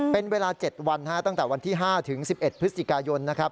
เป็นเวลา๗วันตั้งแต่วันที่๕ถึง๑๑พฤศจิกายนนะครับ